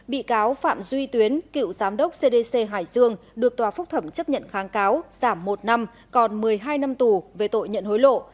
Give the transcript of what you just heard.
bị cáo phạm duy tuyến cựu giám đốc cdc hải dương được tòa phúc thẩm chấp nhận kháng cáo giảm một năm còn một mươi hai năm tù về tội nhận hối lộ